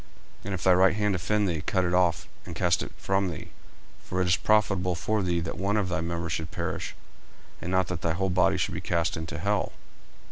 40:005:030 And if thy right hand offend thee, cut it off, and cast it from thee: for it is profitable for thee that one of thy members should perish, and not that thy whole body should be cast into hell.